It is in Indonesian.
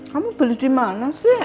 kamu beli dimana sih